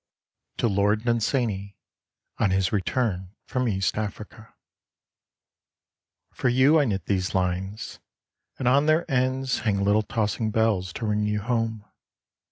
TO LORD DUNSANY (on his return from east Africa) For you I knit these lines, and on their ends Hang Httle tossing bells to ring you home.